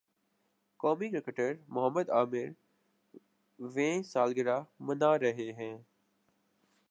قومی کرکٹر محمد عامر ویں سالگرہ منا رہے ہیں